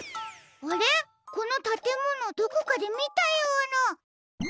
あれこのたてものどこかでみたような。